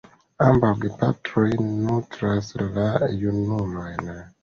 Ambaŭ gepatroj nutras la junulojn.